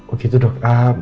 oh gitu dok